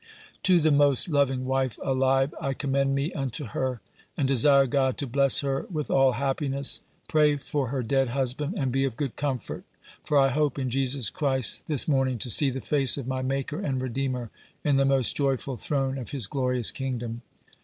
"To the most loving wife alive, I commend me vnto her, and desire God to blesse her with all happiness, pray for her dead husband, and be of good comforte, for I hope in Jesus Christ this morning to see the face of my maker and redeemer in the most joyful throne of his glorious kingdome.